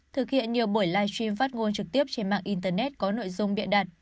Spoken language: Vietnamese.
thực hiện nhiều buổi live stream phát ngôn trực tiếp trên mạng internet có nội dung biện đặt